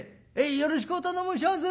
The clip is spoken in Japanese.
よろしくお頼申します。